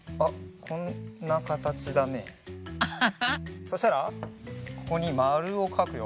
そしたらここにまるをかくよ。